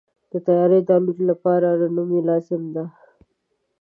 د طیارې د الوت لپاره رنوی لازمي دی.